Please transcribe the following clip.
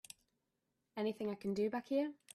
Anything I can do back here?